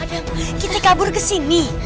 adam kita kabur kesini